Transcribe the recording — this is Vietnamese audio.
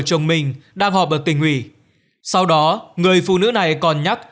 chồng mình đang họp ở tình hủy sau đó người phụ nữ này còn nhắc